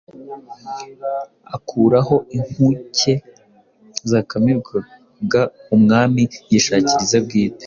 akuraho inkuke zakamirwaga Umwami yishakira ize bwite,